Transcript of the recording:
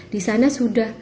di sana sudah